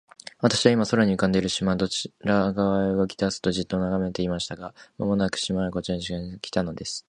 私は、今、空に浮んでいるその島が、どちら側へ動きだすかと、じっと眺めていました。が、間もなく、島はこちらの方へ近づいて来たのです。